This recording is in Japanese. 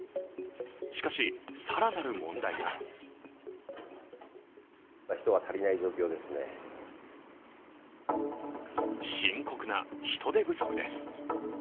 しかし、更なる問題が深刻な人手不足です。